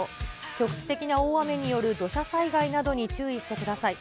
局地的な大雨による土砂災害などに注意してください。